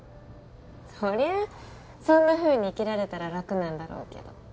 そりゃあそんな風に生きられたら楽なんだろうけど。